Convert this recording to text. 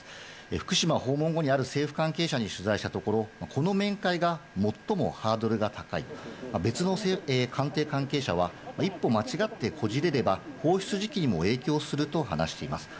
福島訪問後に、ある政府関係者に取材したところ、この面会が最もハードルが高い、別の官邸関係者は、一歩間違って、こじれれば、放出時期にも影響すると話しています。